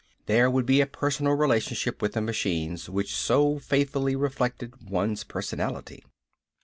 There would be a personal relationship with the machines which so faithfully reflected one's personality.